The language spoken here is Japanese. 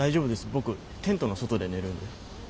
僕テントの外で寝るんで。